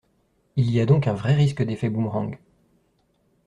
Il y a donc un vrai risque d’effet boomerang.